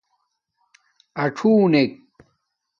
اثݸنݣ